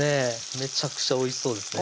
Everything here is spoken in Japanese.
めちゃくちゃおいしそうですね